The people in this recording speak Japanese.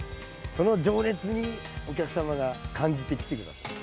その情熱にお客様が感じて来てくれる。